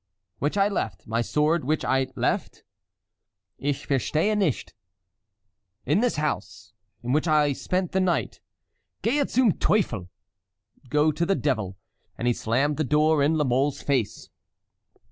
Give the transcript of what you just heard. "—which I left—my sword which I left"— "Ich verstehe nicht." "—in this house, in which I spent the night." "Gehe zum Teufel!" (Go to the devil!) And he slammed the door in La Mole's face.